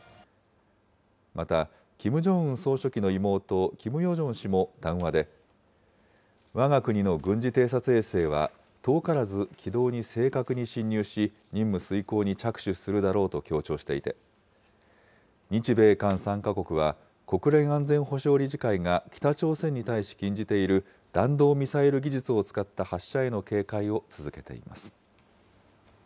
また、キム・ジョンウン総書記の妹、キム・ヨジョン氏も談話で、わが国の軍事偵察衛星は遠からず軌道に正確に進入し、任務遂行に着手するだろうと強調していて、日米韓３か国は、国連安全保障理事会が北朝鮮に対し禁じている、弾道ミサイル技術を使った発射への警戒を続けています。